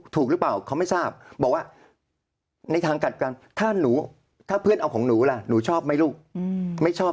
ถูกหรือเปล่าเขาไม่ทราบบอกว่าในทางกลับกันถ้าเพื่อนเอาของหนูล่ะหนูชอบไหมลูกไม่ชอบ